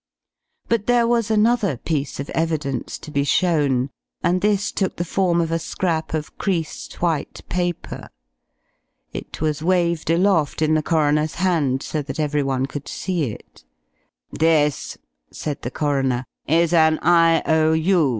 But there was another piece of evidence to be shown, and this took the form of a scrap of creased white paper. It was waved aloft in the coroner's hand, so that everyone could see it. "This," said the coroner, "is an I.O.U.